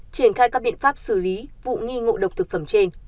triển khai các biện pháp xử lý vụ nghi ngộ độc thực phẩm trên